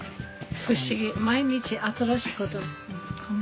不思議毎日新しいことを習う。